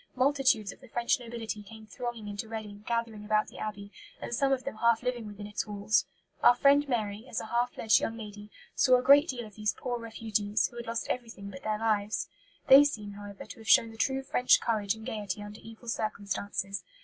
Multitudes of the French nobility came thronging into Reading, gathering about the Abbey, and some of them half living within its walls." Our friend Mary, as a half fledged young lady, saw a great deal of these poor refugees, who had lost everything but their lives. They seem, however, to have shown the true French courage and gaiety under evil circumstances.